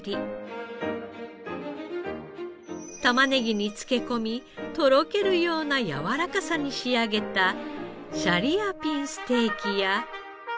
タマネギに漬け込みとろけるようなやわらかさに仕上げたシャリアピンステーキや。